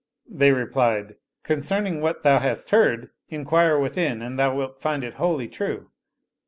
They replied, " Concerning what thou hast heard inquire within and thou wilt find it wholly true."